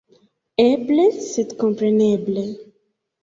Eble, sed kompreneble.